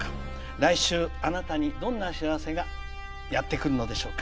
来週があなたにどんな幸せがやってくるのでしょうか。